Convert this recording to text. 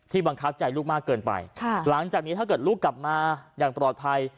บังคับใจลูกมากเกินไปหลังจากนี้ถ้าเกิดลูกกลับมาอย่างปลอดภัย